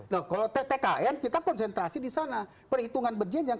nah kalau tkn kita konsentrasi di sana perhitungan berjenjang